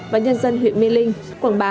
và nhân dân huyện mê linh quảng bá